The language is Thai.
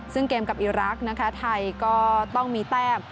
ซึ่งเกมกับอีรักษ์นะคะไทยก็ต้องมีแต้ม